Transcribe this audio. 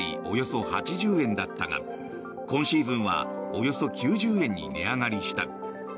およそ８０円だったが今シーズンはおよそ９０円に値上がりした。